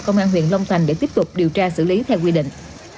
công an huyện long thành để tiếp tục điều tra xử lý theo quy định